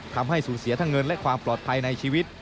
ทำให้สูญเสียทั้งเงินและความปลอดภัยในชีวิต